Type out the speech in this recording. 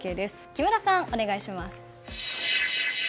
木村さん、お願いします。